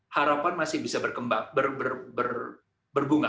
harapan masih bisa berkembang berbunga